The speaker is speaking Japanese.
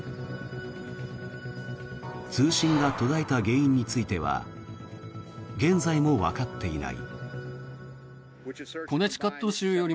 通信が途絶えた原因については現在もわかっていない。